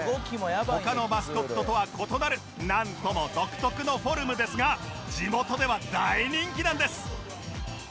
他のマスコットとは異なるなんとも独特のフォルムですが地元では大人気なんです